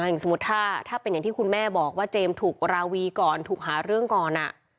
อย่างสมมุติถ้าเป็นอย่างที่คุณแม่บอกว่าเจมส์ถูกราวีก่อนถูกหาเรื่องก่อน